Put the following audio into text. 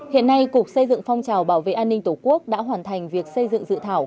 hiện nay cục xây dựng phong trào bảo vệ an ninh tổ quốc đã hoàn thành việc xây dựng dự thảo